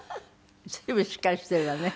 随分しっかりしているわね。